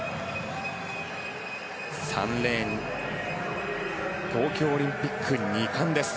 ３レーン東京オリンピック２冠です。